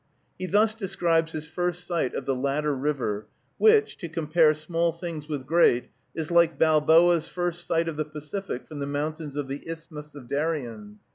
He thus describes his first sight of the latter river, which, to compare small things with great, is like Balboa's first sight of the Pacific from the mountains of the Isthmus of Darien.